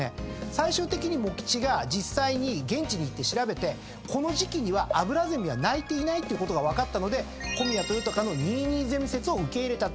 最終的に茂吉が実際に現地に行って調べてこの時季にはアブラゼミは鳴いてないことが分かったので小宮豊隆のニイニイゼミ説を受け入れたっていう。